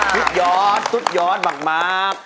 สุดยอดสุดยอดมาก